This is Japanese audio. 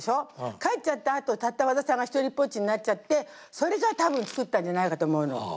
帰っちゃったあとたった和田さんが独りぽっちになっちゃってそれで多分作ったんじゃないかと思うの。